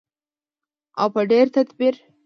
او په ډیر تدبیر.